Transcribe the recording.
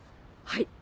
はい。